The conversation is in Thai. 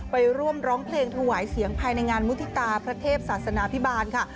ไปร่วมร้องเพลงถวายเสียงภายในงานมุฒิตาพระเทพศาสนาพิบาลค่ะ